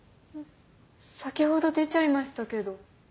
先ほど出ちゃいましたけど。